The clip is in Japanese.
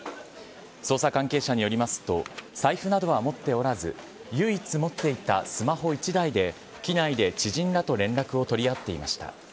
捜査関係者によりますと、財布などは持っておらず、唯一持っていたスマホ１台で、機内で知人らと連絡を取り合っていました。